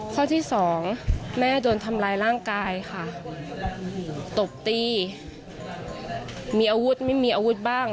ข้อที่สองแม่โดนทำร้ายร่างกายค่ะตบตีมีอาวุธไม่มีอาวุธบ้าง